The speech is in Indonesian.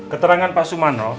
keterangan pak sumarno